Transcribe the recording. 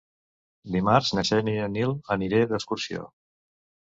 Dimarts na Xènia i en Nil aniré d'excursió.